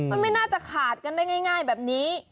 มันไม่น่าจะขาดกันได้ง่ายแบบนี้